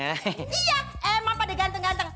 iya emang pada ganteng ganteng